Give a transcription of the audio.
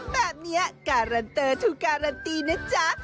แบบนี้การันเตอร์ทูการันตีนะจ๊ะ